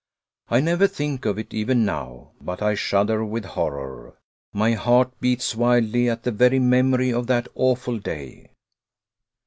I never think of it even now, but I shudder with horror. My heart beats wildly at the very memory of that awful day.